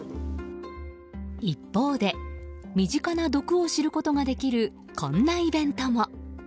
一方で身近な毒を知ることができるこんなイベントも。